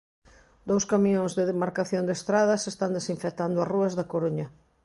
Dous camións de Demarcación de Estradas están desinfectando as rúas da Coruña.